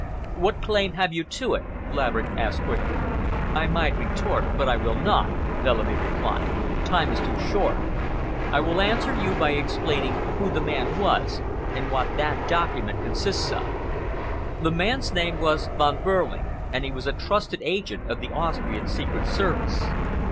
"What claim have you to it?" Laverick asked quickly. "I might retort, but I will not," Bellamy replied. "Time is too short. I will answer you by explaining who the man was and what that document consists of. The man's name was Von Behrling, and he was a trusted agent of the Austrian Secret Service.